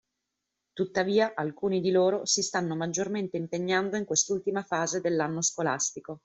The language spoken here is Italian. Tuttavia alcuni di loro si stanno maggiormente impegnando in quest’ultima fase dell’anno scolastico.